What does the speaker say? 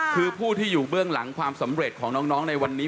คือผู้ที่อยู่เบื้องหลังความสำเร็จของน้องในวันนี้